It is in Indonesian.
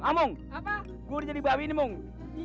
amung gue udah jadi babi ini